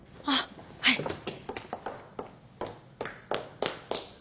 ああはい。